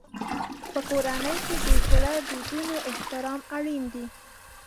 په کورنۍ کې د زړو دودونو احترام اړین دی.